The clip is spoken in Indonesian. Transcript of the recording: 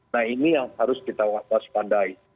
nah ini yang harus kita waspadai